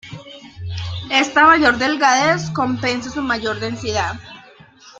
Esta mayor delgadez compensa su mayor densidad.